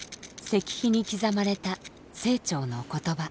石碑に刻まれた清張のことば。